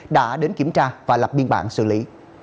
đã đến kiểm tra và lập biên bản xử lý